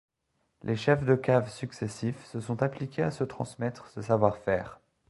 Les Chefs de Cave successifs se sont appliqués à se transmettre ce savoir-faire.